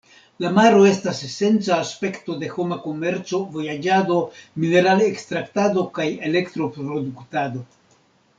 La maro estas esenca aspekto de homa komerco, vojaĝado, mineral-ekstraktado, kaj elektro-produktado.